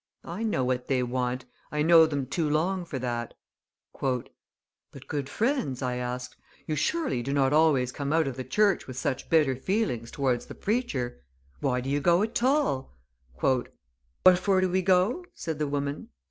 I know what they want. I know them too long for that." "But, good friends," I asked, "you surely do not always come out of the church with such bitter feelings towards the preacher? Why do you go at all?" "What for do we go?" said the woman.